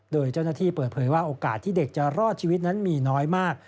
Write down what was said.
โดยเจ้าหน้าที่เปิดเผยว่าโอกาสที่เด็กจะรอดชีวิตนั้นมีน้อยมาก